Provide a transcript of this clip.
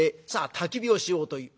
たき火をしようという。